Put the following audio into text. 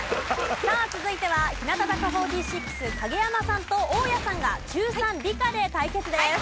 続いては日向坂４６影山さんと大家さんが中３理科で対決です。